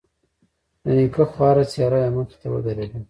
د نيکه خواره څېره يې مخې ته ودرېدله.